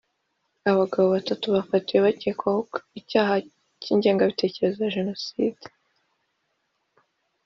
abagabo batatu bafatiwe bakekwaho icyaha cy’ingengabitekerezo ya jenoside